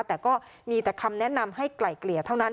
แต่ก็มีแต่คำแนะนำให้ไกล่เกลี่ยเท่านั้น